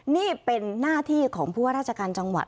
นี่เป็นหน้าที่ของผู้ว่าราชการจังหวัด